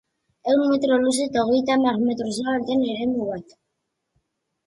Ehun metro luze eta hogeita hamar metro zabal den eremu bat.